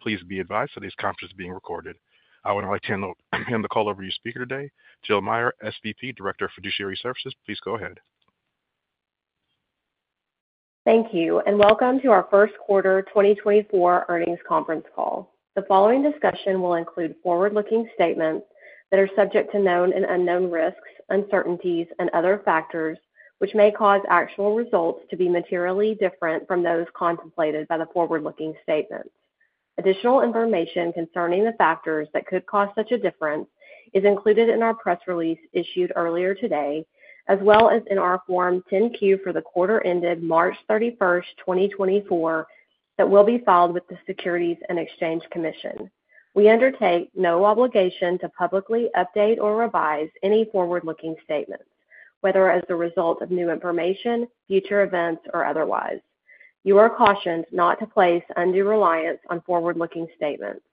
Please be advised that this conference is being recorded. I would now like to hand over, hand the call over to your speaker today, Jill Meyer, SVP, Director of Fiduciary Services. Please go ahead. Thank you, and welcome to our first quarter 2024 earnings conference call. The following discussion will include forward-looking statements that are subject to known and unknown risks, uncertainties, and other factors, which may cause actual results to be materially different from those contemplated by the forward-looking statements. Additional information concerning the factors that could cause such a difference is included in our press release issued earlier today, as well as in our Form 10-Q for the quarter ended March 31, 2024, that will be filed with the Securities and Exchange Commission. We undertake no obligation to publicly update or revise any forward-looking statements, whether as a result of new information, future events, or otherwise. You are cautioned not to place undue reliance on forward-looking statements.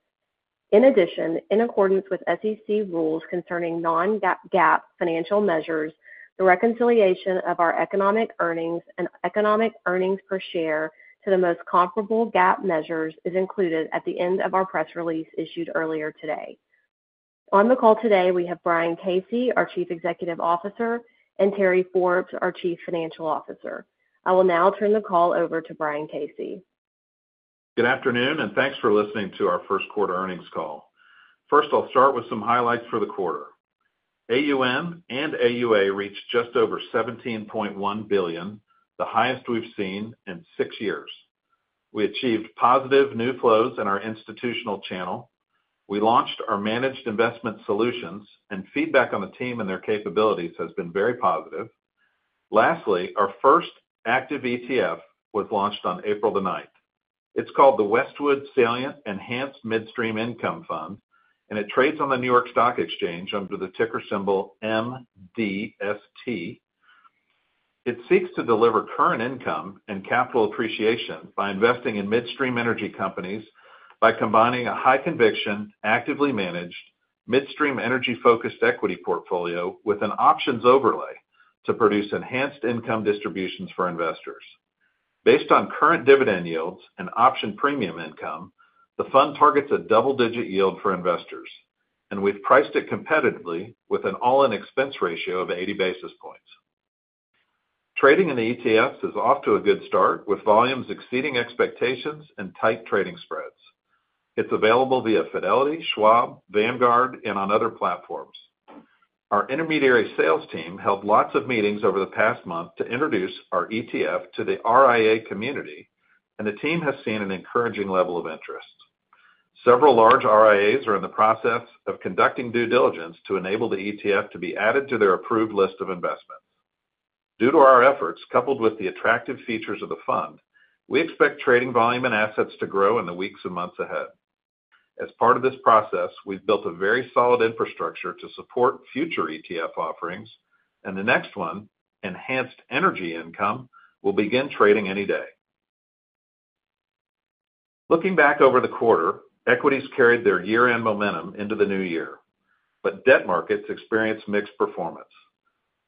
In addition, in accordance with SEC rules concerning non-GAAP, GAAP financial measures, the reconciliation of our economic earnings and economic earnings per share to the most comparable GAAP measures is included at the end of our press release issued earlier today. On the call today, we have Brian Casey, our Chief Executive Officer, and Terry Forbes, our Chief Financial Officer. I will now turn the call over to Brian Casey. Good afternoon, and thanks for listening to our first quarter earnings call. First, I'll start with some highlights for the quarter. AUM and AUA reached just over $17.1 billion, the highest we've seen in six years. We achieved positive new flows in our institutional channel. We launched our Managed Investment Solutions, and feedback on the team and their capabilities has been very positive. Lastly, our first active ETF was launched on April the ninth. It's called the Westwood Salient Enhanced Midstream Income Fund, and it trades on the New York Stock Exchange under the ticker symbol MDST. It seeks to deliver current income and capital appreciation by investing in Midstream energy companies by combining a high conviction, actively managed, Midstream energy-focused equity portfolio with an options overlay to produce enhanced income distributions for investors. Based on current dividend yields and option premium income, the fund targets a double-digit yield for investors, and we've priced it competitively with an all-in expense ratio of 80 basis points. Trading in the ETFs is off to a good start, with volumes exceeding expectations and tight trading spreads. It's available via Fidelity, Schwab, Vanguard, and on other platforms. Our intermediary sales team held lots of meetings over the past month to introduce our ETF to the RIA community, and the team has seen an encouraging level of interest. Several large RIAs are in the process of conducting due diligence to enable the ETF to be added to their approved list of investments. Due to our efforts, coupled with the attractive features of the fund, we expect trading volume and assets to grow in the weeks and months ahead. As part of this process, we've built a very solid infrastructure to support future ETF offerings, and the next one, Enhanced Energy Income, will begin trading any day. Looking back over the quarter, equities carried their year-end momentum into the new year, but debt markets experienced mixed performance.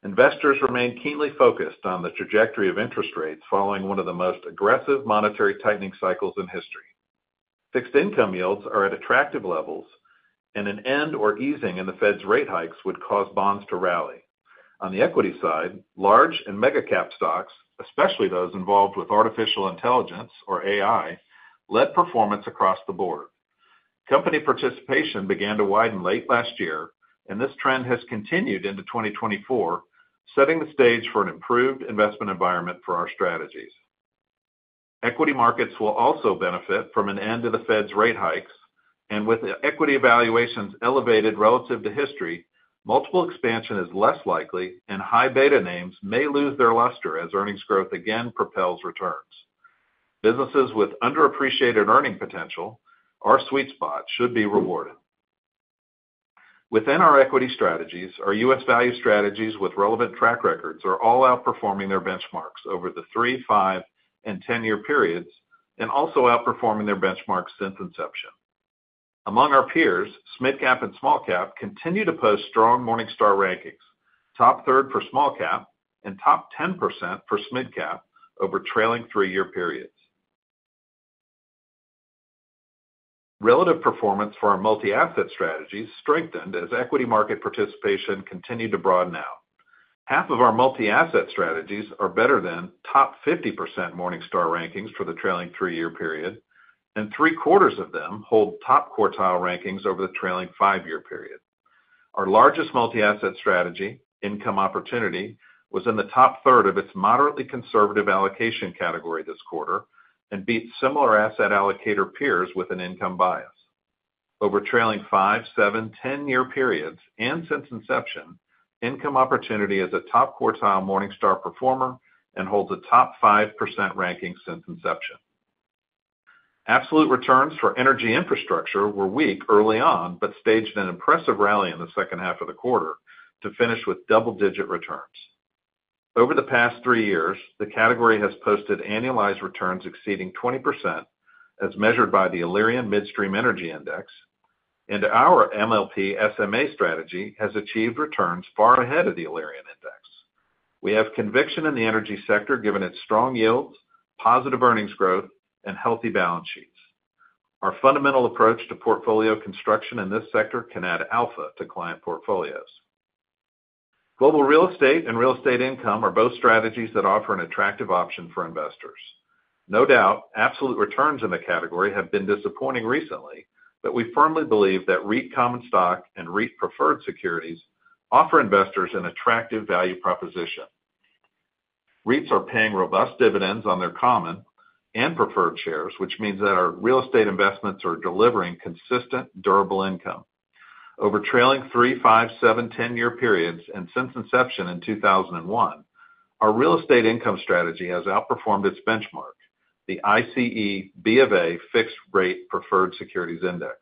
Investors remain keenly focused on the trajectory of interest rates following one of the most aggressive monetary tightening cycles in history. Fixed income yields are at attractive levels, and an end or easing in the Fed's rate hikes would cause bonds to rally. On the equity side, large and mega cap stocks, especially those involved with artificial intelligence, or AI, led performance across the board. Company participation began to widen late last year, and this trend has continued into 2024, setting the stage for an improved investment environment for our strategies. Equity markets will also benefit from an end to the Fed's rate hikes, and with the equity valuations elevated relative to history, multiple expansion is less likely, and high beta names may lose their luster as earnings growth again propels returns. Businesses with underappreciated earning potential, our sweet spot, should be rewarded. Within our equity strategies, our U.S. value strategies with relevant track records are all outperforming their benchmarks over the 3-, 5-, and 10-year periods, and also outperforming their benchmarks since inception. Among our peers, mid-cap and small cap continue to post strong Morningstar rankings, top third for small cap and top 10% for mid-cap over trailing 3-year periods. Relative performance for our multi-asset strategies strengthened as equity market participation continued to broaden out. Half of our multi-asset strategies are better than top 50% Morningstar rankings for the trailing 3-year period, and three-quarters of them hold top quartile rankings over the trailing 5-year period. Our largest multi-asset strategy, Income Opportunity, was in the top third of its moderately conservative allocation category this quarter and beat similar asset allocator peers with an income bias. Over trailing 5-, 7-, 10-year periods and since inception, Income Opportunity is a top quartile Morningstar performer and holds a top 5% ranking since inception. Absolute returns for energy infrastructure were weak early on, but staged an impressive rally in the second half of the quarter to finish with double-digit returns. Over the past 3 years, the category has posted annualized returns exceeding 20%, as measured by the Alerian Midstream Energy Index, and our MLP SMA strategy has achieved returns far ahead of the Alerian index.... We have conviction in the energy sector, given its strong yields, positive earnings growth, and healthy balance sheets. Our fundamental approach to portfolio construction in this sector can add alpha to client portfolios. Global Real Estate and real estate income are both strategies that offer an attractive option for investors. No doubt, absolute returns in the category have been disappointing recently, but we firmly believe that REIT common stock and REIT preferred securities offer investors an attractive value proposition. REITs are paying robust dividends on their common and preferred shares, which means that our real estate investments are delivering consistent, durable income. Over trailing 3, 5, 7, 10-year periods, and since inception in 2001, our real estate income strategy has outperformed its benchmark, the ICE BofA Fixed Rate Preferred Securities Index.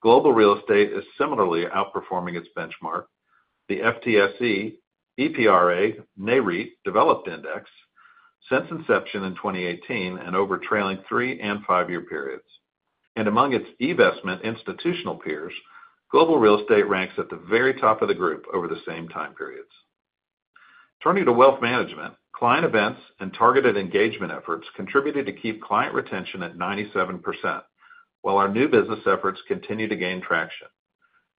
Global Real Estate is similarly outperforming its benchmark, the FTSE EPRA Nareit Developed Index, since inception in 2018 and over trailing 3- and 5-year periods. Among its investment institutional peers, Global Real Estate ranks at the very top of the group over the same time periods. Turning to wealth management, client events and targeted engagement efforts contributed to keep client retention at 97%, while our new business efforts continue to gain traction.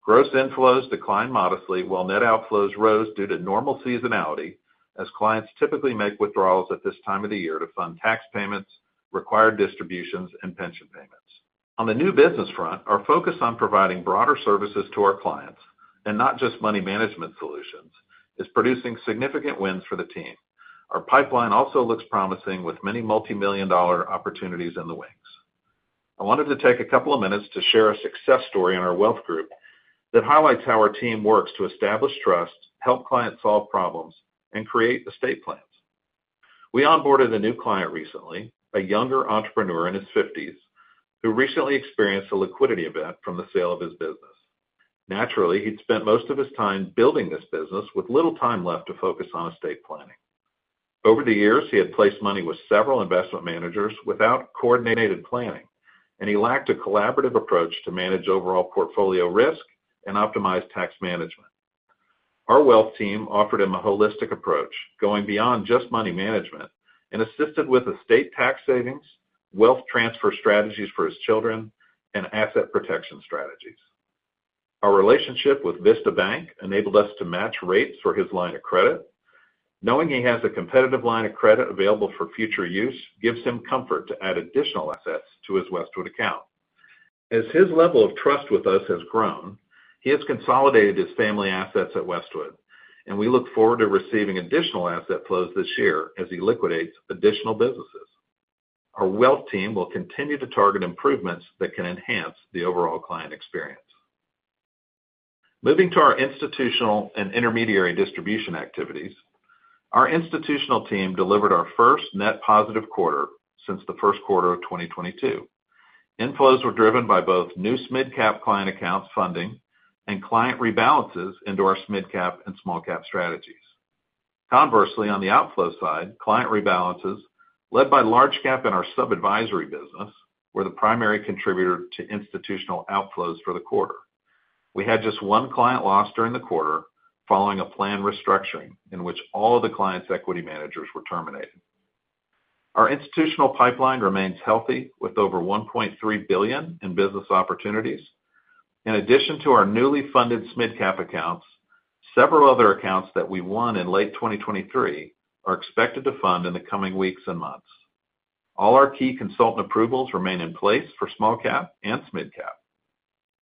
Gross inflows declined modestly, while net outflows rose due to normal seasonality, as clients typically make withdrawals at this time of the year to fund tax payments, required distributions, and pension payments. On the new business front, our focus on providing broader services to our clients, and not just money management solutions, is producing significant wins for the team. Our pipeline also looks promising, with many multimillion-dollar opportunities in the wings. I wanted to take a couple of minutes to share a success story in our wealth group that highlights how our team works to establish trust, help clients solve problems, and create estate plans. We onboarded a new client recently, a younger entrepreneur in his fifties, who recently experienced a liquidity event from the sale of his business. Naturally, he'd spent most of his time building this business with little time left to focus on estate planning. Over the years, he had placed money with several investment managers without coordinated planning, and he lacked a collaborative approach to manage overall portfolio risk and optimize tax management. Our wealth team offered him a holistic approach, going beyond just money management, and assisted with estate tax savings, wealth transfer strategies for his children, and asset protection strategies. Our relationship with Vista Bank enabled us to match rates for his line of credit. Knowing he has a competitive line of credit available for future use gives him comfort to add additional assets to his Westwood account. As his level of trust with us has grown, he has consolidated his family assets at Westwood, and we look forward to receiving additional asset flows this year as he liquidates additional businesses. Our wealth team will continue to target improvements that can enhance the overall client experience. Moving to our institutional and intermediary distribution activities. Our institutional team delivered our first net positive quarter since the first quarter of 2022. Inflows were driven by both new SMID-cap client accounts funding and client rebalances into our SMID-cap and small-cap strategies. Conversely, on the outflow side, client rebalances, led by large cap in our sub-advisory business, were the primary contributor to institutional outflows for the quarter. We had just one client loss during the quarter, following a planned restructuring in which all of the client's equity managers were terminated. Our institutional pipeline remains healthy, with over $1.3 billion in business opportunities. In addition to our newly funded SMID-cap accounts, several other accounts that we won in late 2023 are expected to fund in the coming weeks and months. All our key consultant approvals remain in place for small cap and SMID-cap.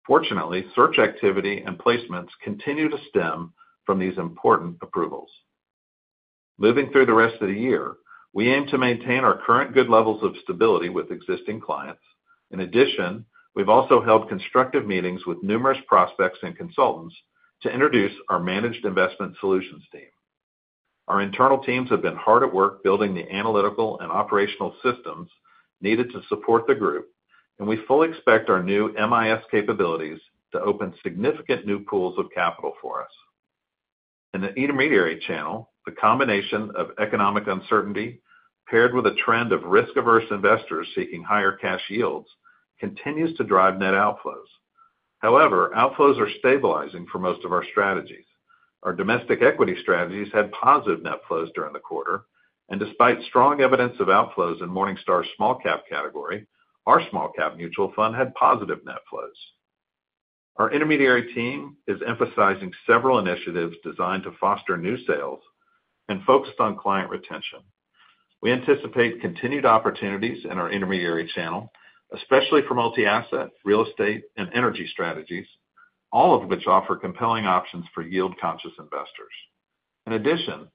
Fortunately, search activity and placements continue to stem from these important approvals. Moving through the rest of the year, we aim to maintain our current good levels of stability with existing clients. In addition, we've also held constructive meetings with numerous prospects and consultants to introduce our managed investment solutions team. Our internal teams have been hard at work building the analytical and operational systems needed to support the group, and we fully expect our new MIS capabilities to open significant new pools of capital for us. In the intermediary channel, the combination of economic uncertainty paired with a trend of risk-averse investors seeking higher cash yields continues to drive net outflows. However, outflows are stabilizing for most of our strategies. Our domestic equity strategies had positive net flows during the quarter, and despite strong evidence of outflows in Morningstar's small cap category, our small cap mutual fund had positive net flows. Our intermediary team is emphasizing several initiatives designed to foster new sales and focused on client retention. We anticipate continued opportunities in our intermediary channel, especially for multi-asset, real estate, and energy strategies, all of which offer compelling options for yield-conscious investors. In addition,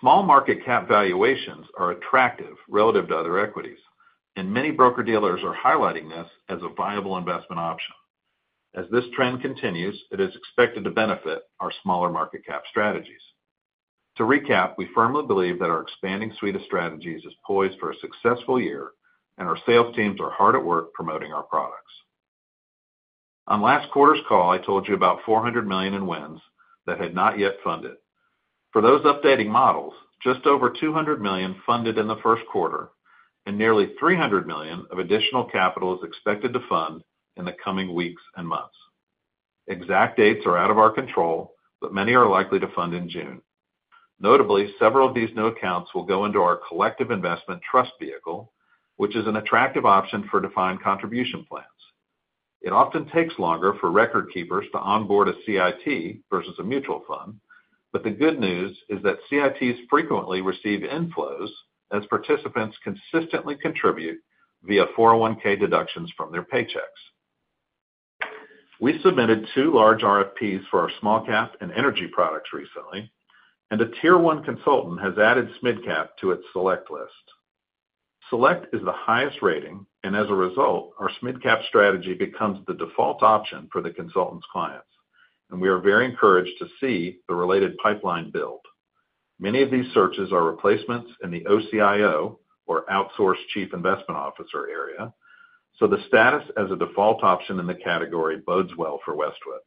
small market cap valuations are attractive relative to other equities, and many broker-dealers are highlighting this as a viable investment option. As this trend continues, it is expected to benefit our smaller market cap strategies. To recap, we firmly believe that our expanding suite of strategies is poised for a successful year, and our sales teams are hard at work promoting our products. On last quarter's call, I told you about $400 million in wins that had not yet funded. For those updating models, just over $200 million funded in the first quarter, and nearly $300 million of additional capital is expected to fund in the coming weeks and months. Exact dates are out of our control, but many are likely to fund in June. Notably, several of these new accounts will go into our collective investment trust vehicle, which is an attractive option for defined contribution plans. It often takes longer for record keepers to onboard a CIT versus a mutual fund, but the good news is that CITs frequently receive inflows as participants consistently contribute via 401(k) deductions from their paychecks. We submitted two large RFPs for our small cap and energy products recently, and a tier one consultant has added SMID Cap to its select list. Select is the highest rating, and as a result, our SMID Cap strategy becomes the default option for the consultant's clients, and we are very encouraged to see the related pipeline build. Many of these searches are replacements in the OCIO, or outsourced chief investment officer, area, so the status as a default option in the category bodes well for Westwood.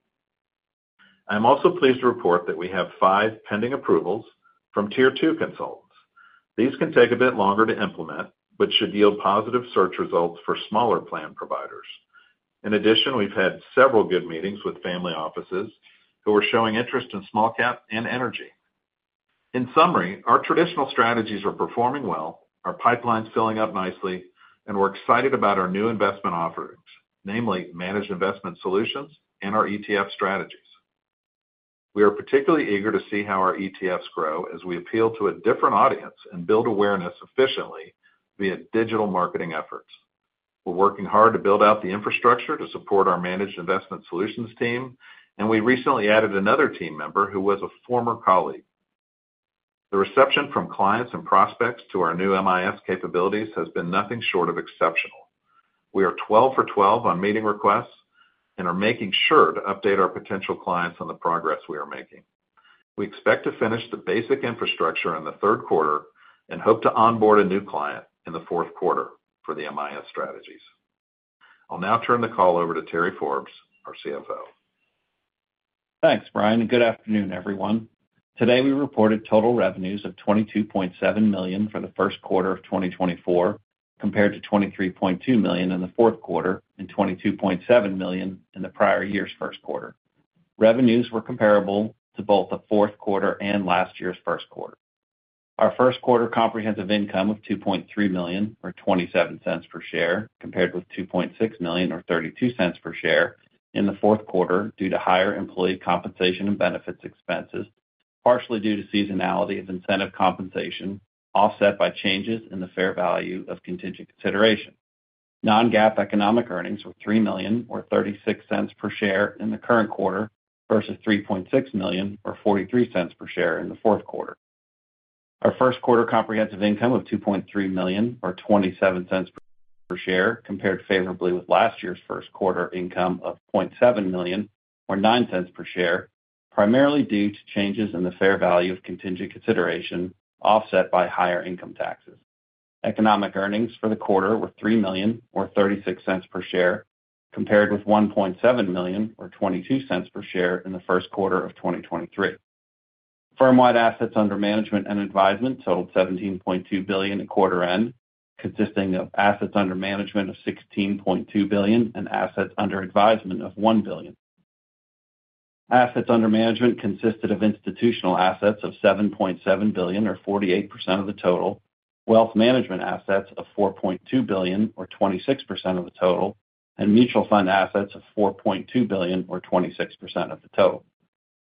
I'm also pleased to report that we have five pending approvals from tier two consultants. These can take a bit longer to implement, but should yield positive search results for smaller plan providers. In addition, we've had several good meetings with family offices who are showing interest in small cap and energy. In summary, our traditional strategies are performing well, our pipeline's filling up nicely, and we're excited about our new investment offerings, namely Managed Investment Solutions and our ETF strategies. We are particularly eager to see how our ETFs grow as we appeal to a different audience and build awareness efficiently via digital marketing efforts. We're working hard to build out the infrastructure to support our Managed Investment Solutions team, and we recently added another team member who was a former colleague. The reception from clients and prospects to our new MIS capabilities has been nothing short of exceptional. We are 12 for 12 on meeting requests and are making sure to update our potential clients on the progress we are making. We expect to finish the basic infrastructure in the third quarter and hope to onboard a new client in the fourth quarter for the MIS strategies. I'll now turn the call over to Terry Forbes, our CFO. Thanks, Brian, and good afternoon, everyone. Today, we reported total revenues of $22.7 million for the first quarter of 2024, compared to $23.2 million in the fourth quarter and $22.7 million in the prior year's first quarter. Revenues were comparable to both the fourth quarter and last year's first quarter. Our first quarter comprehensive income of $2.3 million, or $0.27 per share, compared with $2.6 million or $0.32 per share in the fourth quarter due to higher employee compensation and benefits expenses, partially due to seasonality of incentive compensation, offset by changes in the fair value of contingent consideration. Non-GAAP economic earnings were $3 million or $0.36 per share in the current quarter versus $3.6 million or $0.43 per share in the fourth quarter. Our first quarter comprehensive income of $2.3 million or $0.27 per share, compared favorably with last year's first quarter income of $0.7 million or $0.09 per share, primarily due to changes in the fair value of contingent consideration, offset by higher income taxes. Economic earnings for the quarter were $3 million or $0.36 per share, compared with $1.7 million or $0.22 per share in the first quarter of 2023. Firm-wide Assets Under Management and Advisement totaled $17.2 billion at quarter end, consisting of Assets Under Management of $16.2 billion and Assets Under Advisement of $1 billion. Assets under management consisted of institutional assets of $7.7 billion or 48% of the total, wealth management assets of $4.2 billion or 26% of the total, and mutual fund assets of $4.2 billion or 26% of the total.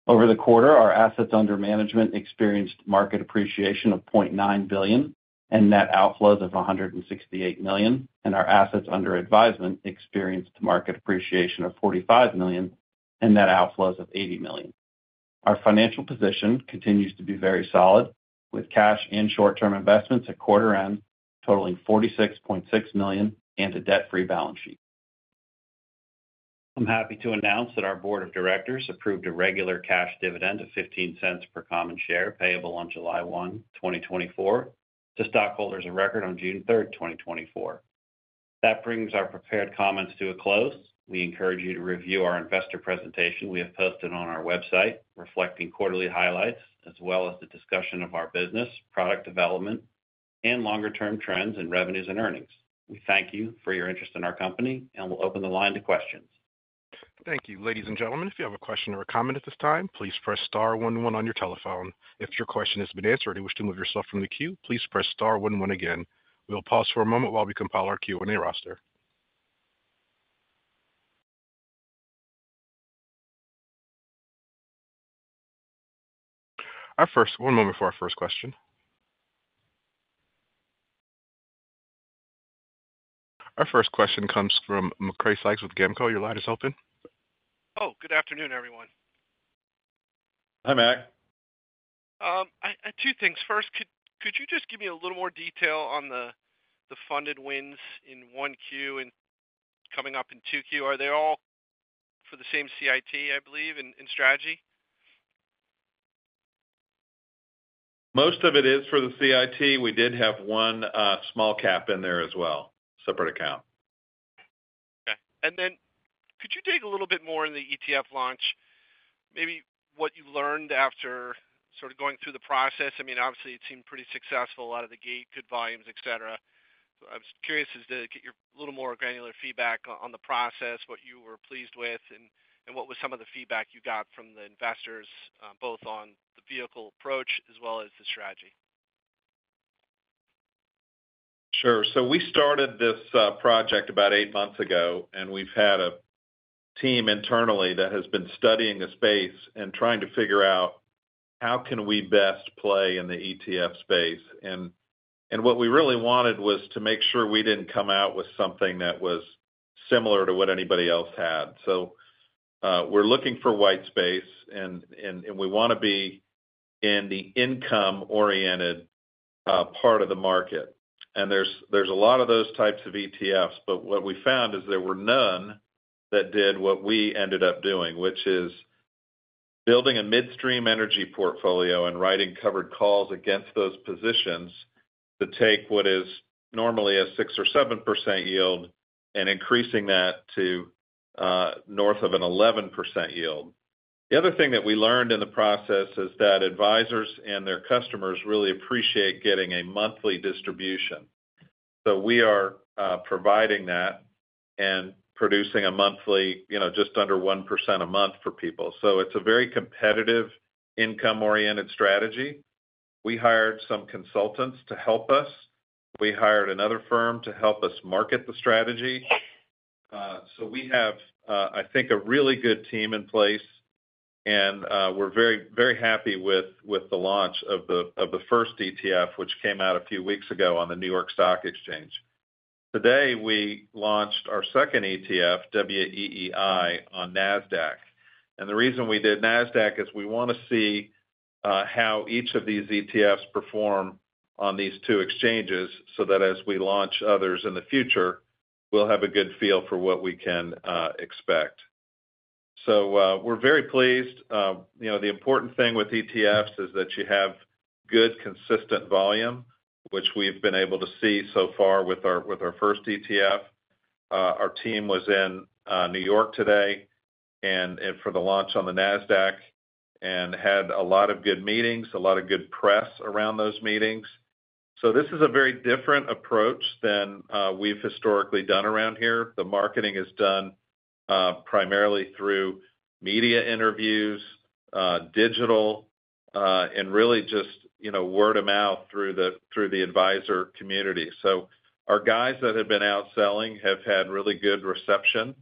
Over the quarter, our assets under management experienced market appreciation of $0.9 billion and net outflows of $168 million, and our assets under advisement experienced market appreciation of $45 million and net outflows of $80 million. Our financial position continues to be very solid, with cash and short-term investments at quarter end totaling $46.6 million and a debt-free balance sheet. I'm happy to announce that our board of directors approved a regular cash dividend of $0.15 per common share, payable on July 1, 2024, to stockholders of record on June 3, 2024. That brings our prepared comments to a close. We encourage you to review our investor presentation we have posted on our website, reflecting quarterly highlights as well as the discussion of our business, product development, and longer-term trends in revenues and earnings. We thank you for your interest in our company, and we'll open the line to questions. Thank you. Ladies and gentlemen, if you have a question or a comment at this time, please press star one one on your telephone. If your question has been answered and you wish to move yourself from the queue, please press star one one again. We'll pause for a moment while we compile our Q&A roster. One moment for our first question. Our first question comes from Macrae Sykes with GAMCO. Your line is open. Oh, good afternoon, everyone. Hi, Mac. Two things. First, could you just give me a little more detail on the funded wins in 1Q and coming up in 2Q? Are they all for the same CIT, I believe, in strategy? Most of it is for the CIT. We did have one small cap in there as well, separate account. Okay. And then could you dig a little bit more in the ETF launch?... maybe what you've learned after sort of going through the process. I mean, obviously, it seemed pretty successful out of the gate, good volumes, et cetera. I was curious as to get your little more granular feedback on, on the process, what you were pleased with, and, and what was some of the feedback you got from the investors, both on the vehicle approach as well as the strategy? Sure. So we started this project about eight months ago, and we've had a team internally that has been studying the space and trying to figure out how can we best play in the ETF space. And we wanna be in the income-oriented part of the market. And there's a lot of those types of ETFs, but what we found is there were none that did what we ended up doing, which is building a midstream energy portfolio and writing covered calls against those positions to take what is normally a 6% or 7% yield and increasing that to north of an 11% yield. The other thing that we learned in the process is that advisers and their customers really appreciate getting a monthly distribution. So we are providing that and producing a monthly, you know, just under 1% a month for people. So it's a very competitive income-oriented strategy. We hired some consultants to help us. We hired another firm to help us market the strategy. So we have, I think, a really good team in place, and we're very, very happy with the launch of the first ETF, which came out a few weeks ago on the New York Stock Exchange. Today, we launched our second ETF, WEEI, on Nasdaq. The reason we did Nasdaq is we wanna see how each of these ETFs perform on these two exchanges, so that as we launch others in the future, we'll have a good feel for what we can expect. So, we're very pleased. You know, the important thing with ETFs is that you have good, consistent volume, which we've been able to see so far with our first ETF. Our team was in New York today, and for the launch on the Nasdaq, and had a lot of good meetings, a lot of good press around those meetings. So this is a very different approach than we've historically done around here. The marketing is done primarily through media interviews, digital, and really just, you know, word of mouth through the advisor community. So our guys that have been out selling have had really good reception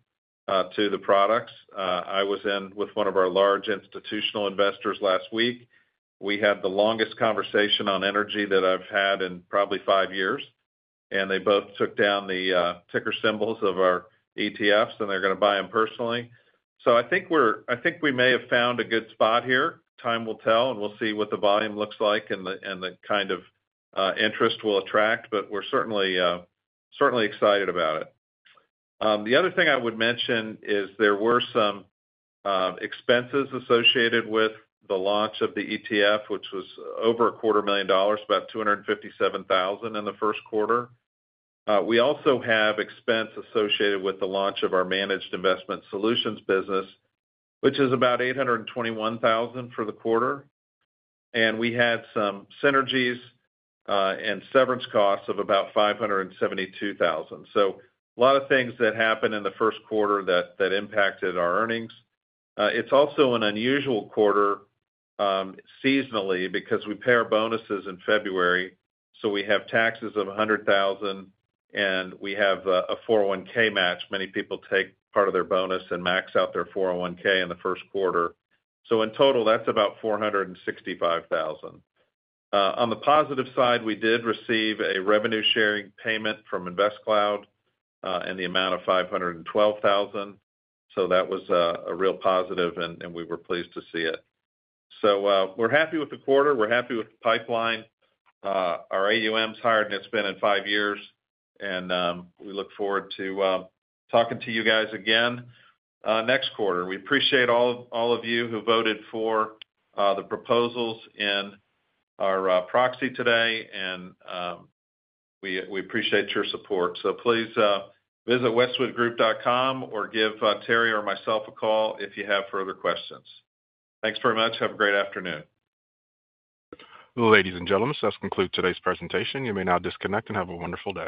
to the products. I was in with one of our large institutional investors last week. We had the longest conversation on energy that I've had in probably five years, and they both took down the ticker symbols of our ETFs, and they're gonna buy them personally. So I think we may have found a good spot here. Time will tell, and we'll see what the volume looks like and the kind of interest we'll attract, but we're certainly certainly excited about it. The other thing I would mention is there were some expenses associated with the launch of the ETF, which was over $250,000, about $257,000 in the first quarter. We also have expense associated with the launch of our Managed Investment Solutions business, which is about $821 thousand for the quarter. And we had some synergies and severance costs of about $572 thousand. So a lot of things that happened in the first quarter that impacted our earnings. It's also an unusual quarter, seasonally because we pay our bonuses in February, so we have taxes of $100 thousand, and we have a 401(k) match. Many people take part of their bonus and max out their 401(k) in the first quarter. So in total, that's about $465 thousand. On the positive side, we did receive a revenue-sharing payment from InvestCloud in the amount of $512 thousand. So that was a real positive, and we were pleased to see it. So, we're happy with the quarter, we're happy with the pipeline. Our AUMs higher than it's been in five years, and we look forward to talking to you guys again next quarter. We appreciate all of you who voted for the proposals in our proxy today, and we appreciate your support. So please, visit westwoodgroup.com or give Terry or myself a call if you have further questions. Thanks very much. Have a great afternoon. Ladies and gentlemen, this concludes today's presentation. You may now disconnect and have a wonderful day.